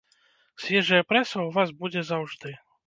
Свежая прэса ў вас будзе заўжды.